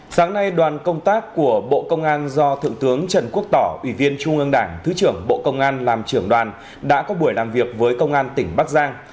sáng nay đoàn công tác của bộ công an do thượng tướng trần quốc tỏ ủy viên trung ương đảng thứ trưởng bộ công an làm trưởng đoàn đã có buổi làm việc với công an tỉnh bắc giang